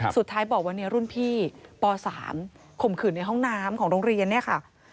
สุดท้ายบอกว่าเนี่ยรุ่นพี่ป๓ข่มขืนในห้องน้ำของโรงเรียนเนี่ยค่ะ